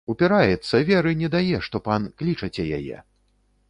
Упіраецца, веры не дае, што пан клічаце яе.